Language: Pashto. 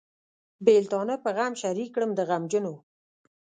بېلتانه په غم شریک کړم د غمجنو.